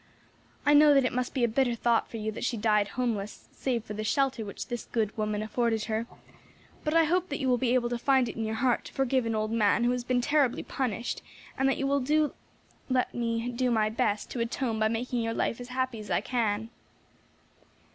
I know that it must be a bitter thought for you that she died homeless, save for the shelter which this good woman afforded her; but I hope that you will be able to find it in your heart to forgive an old man who has been terribly punished, and that you will let me do my best to atone by making your life as happy as I can."